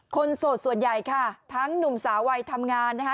โสดส่วนใหญ่ค่ะทั้งหนุ่มสาววัยทำงานนะคะ